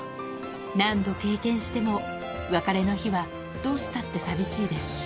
何度経験しても別れの日はどうしたって寂しいです